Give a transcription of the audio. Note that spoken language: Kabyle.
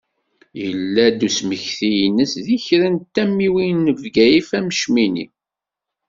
Yella-d usmekti-ines deg kra n tamiwin n Bgayet am Cmini.